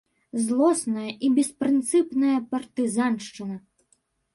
Злосная і беспрынцыпная партызаншчына!